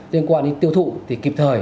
liên quan đến tiêu thụ thì kịp thời